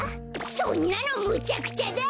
そんなのむちゃくちゃだ！